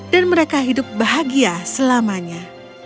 dan mereka hidup bahagia selamanya